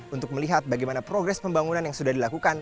untuk melihat bagaimana progres pembangunan yang sudah dilakukan